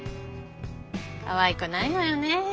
かわいくないのよね。